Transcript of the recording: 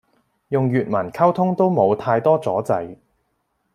用粵文溝通都冇太多阻滯